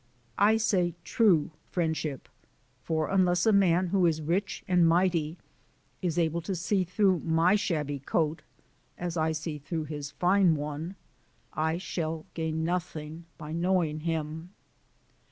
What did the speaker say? I say true friendship, for unless a man who is rich and mighty is able to see through my shabby coat (as I see through his fine one), I shall gain nothing by knowing him.